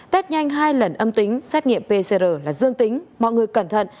test nhanh hai lần âm tính xét nghiệm pcr là dương tính mọi người cẩn thận